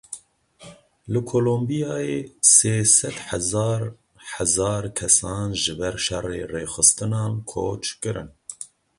Li Kolombiyayê sê sed hezar hezar kesan ji ber şerê rêxistinan koç kirin.